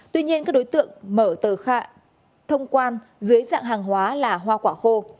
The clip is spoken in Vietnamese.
tuy nhiên các đối tượng mở tờ thông quan dưới dạng hàng hóa là hoa quả khô